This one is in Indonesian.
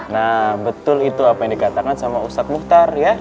nah betul itu apa yang dikatakan sama ustadz muhtar